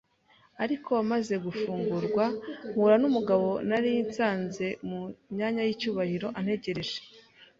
ariko maze gufungurwa mpura n’umugabo nari nasanze mu myanya y’icyubahiro antegereje.